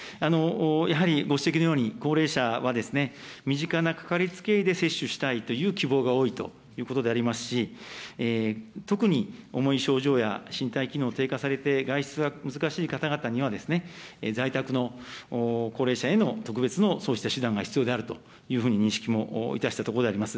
やはり、ご指摘のように、高齢者は、身近な掛かりつけ医で接種したいという希望が多いということでありますし、特に重い症状や身体機能低下されて、外出が難しい方々には、在宅の高齢者への特別のそうした手段が必要であるというふうに認識もいたしたところでございます。